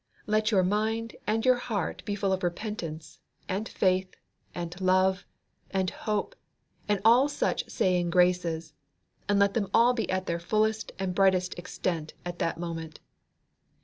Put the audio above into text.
Let your mind and your heart be full of repentance, and faith, and love, and hope, and all such saying graces, and let them all be at their fullest and brightest exercise, at that moment.